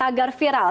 kalau kita lihat